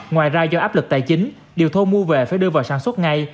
ngoài ra do áp lực tài chính điều thô mua về phải đưa vào sản xuất ngay